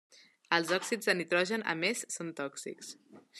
Els òxids de nitrogen a més són tòxics.